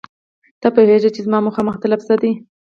ته پوهیږې چې زما موخه او مطلب څه دی